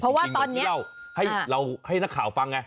เพราะว่าตอนนี้เราให้นักข่าวฟังไง